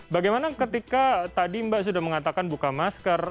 bagaimana ketika tadi mbak sudah mengatakan buka masker